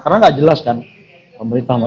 karena gak jelas kan pemerintah mau